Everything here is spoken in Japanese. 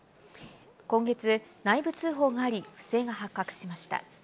今月、内部通報があり、不正が発覚しました。